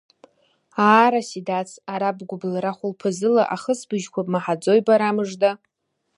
Аа, Расидац, ара бгәылара хәылԥазыла ахысбыжькәа бмаҳаӡои, бара мыжда?